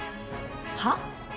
はっ？